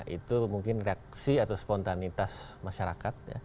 itu mungkin reaksi atau spontanitas masyarakat